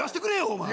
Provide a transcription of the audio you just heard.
お前。